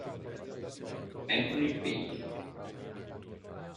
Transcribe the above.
Anthony Page